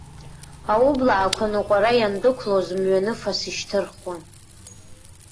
Аублаақәа ныҟәара иандәықәлоз мҩаныфас ишьҭырхуан.